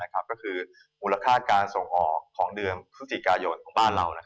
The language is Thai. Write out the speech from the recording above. ก็คือมูลค่าการส่งออกของเดือนพฤศจิกายนของบ้านเรา